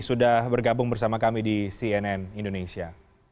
sudah bergabung bersama kami di cnn indonesia